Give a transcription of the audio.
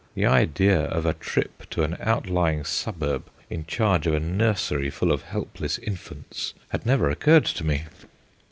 The idea of a trip to an outlying suburb in charge of a nursery full of helpless infants had never occurred to me.